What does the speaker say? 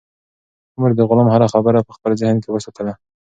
عمر د غلام هره خبره په خپل ذهن کې وساتله.